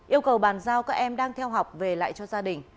yêu cầu bàn giao các em đang theo học về lại cho gia đình